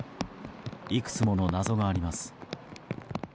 いくつもの謎があります。